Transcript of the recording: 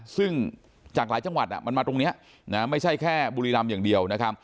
ซึ่งจากหลายจังหวัดมันมาตรงนี้ไม่ใช่แค่บุรีรำอย่างเดียวนะครับ